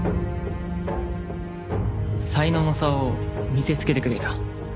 才能の差を見せつけてくれた。